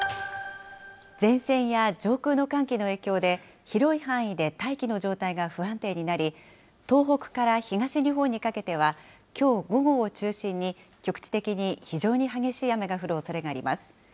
前線や上空の寒気の影響で、広い範囲で大気の状態が不安定になり、東北から東日本にかけては、きょう午後を中心に局地的に非常に激しい雨が降るおそれがあります。